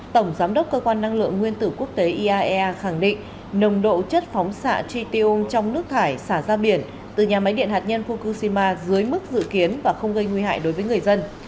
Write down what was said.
tổng giám đốc cơ quan năng lượng nguyên tử quốc tế iaea khẳng định nồng độ chất phóng xạ trị tiêu trong nước thải xả ra biển từ nhà máy điện hạt nhân fukushima dưới mức dự kiến và không gây nguy hại đối với người dân